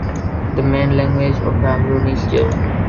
The main language on Amrum is German.